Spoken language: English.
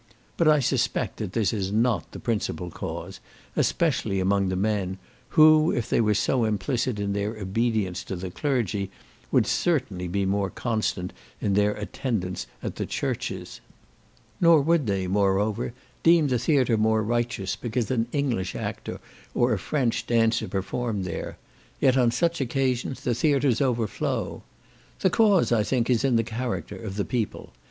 But I suspect that this is not the principal cause, especially among the men, who, if they were so implicit in their obedience to the clergy, would certainly be more constant in their attendance at the churches; nor would they, moreover, deem the theatre more righteous because an English actor, or a French dancer, performed there; yet on such occasions the theatres overflow. The cause, I think, is in the character of the people.